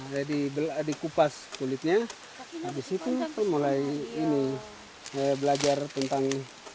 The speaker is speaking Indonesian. jadi dikupas kulitnya habis itu mulai ini belajar tentang